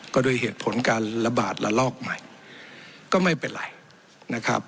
ก็ด้วยเหตุผลการระบาดระลอกใหม่ก็ไม่เป็นไรนะครับ